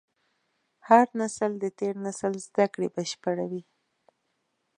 هر نسل د تېر نسل زدهکړې بشپړوي.